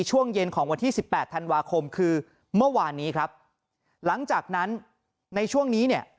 ช่วงเย็นของวันที่สิบแปดธันวาคมคือเมื่อวานนี้ครับหลังจากนั้นในช่วงนี้เนี่ย